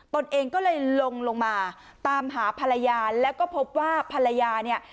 ตนเองก็เลยลงลงมาตามหาภรรยาแล้วก็พบว่าภรรยาเนี่ย